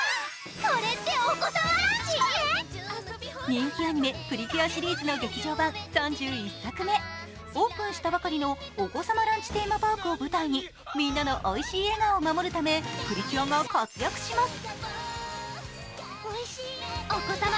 人気アニメ「プリキュア」シリーズの劇場版３１作目、オープンしたばかりのお子さまランチテーマパークを舞台にみんなのおいしい笑顔を守るためプリキュアが活躍します。